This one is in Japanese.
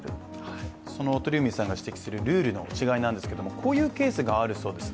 その鳥海さんが指摘するルールの違いですがこういうケースがあるようです。